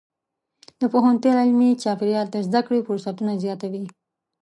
د پوهنتون علمي چاپېریال د زده کړې فرصتونه زیاتوي.